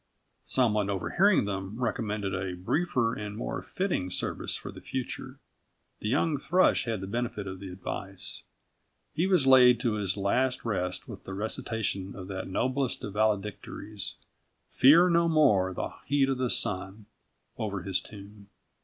Someone, overhearing them, recommended a briefer and more fitting service for the future. The young thrush had the benefit of the advice. He was laid to his last rest with the recitation of that noblest of valedictories: "Fear no more the heat o' the sun," over his tomb.